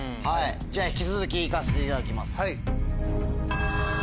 じゃあ引き続き行かせていただきます。